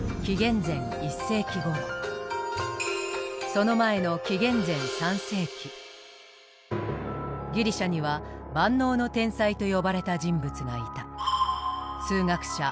その前のギリシャには万能の天才と呼ばれた人物がいた。